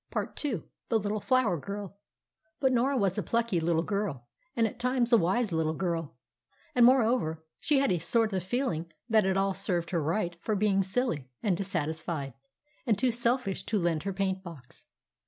PART II THE LITTLE FLOWER GIRL But Norah was a plucky little girl, and at times a wise little girl. And, moreover, she had a sort of feeling that it all served her right for being silly, and dissatisfied, and too selfish to lend her paint box.